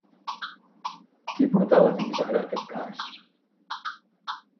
Qui portava fins ara aquest cas?